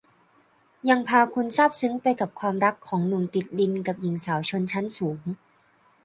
ยังพาคุณซาบซึ้งไปกับความรักของหนุ่มติดดินกับหญิงสาวชนชั้นสูง